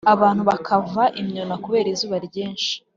Abantu bakava imyuna kubera izuba ryinshi